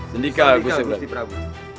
hendika agusti prabu